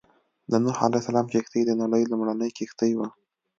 د نوح عليه السلام کښتۍ د نړۍ لومړنۍ کښتۍ وه.